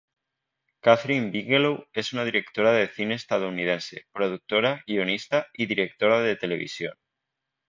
Kathryn Bigelow es una directora de cine estadounidense, productora, guionista, y directora de televisión.